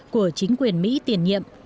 của chính quyền mỹ tiền nhiệm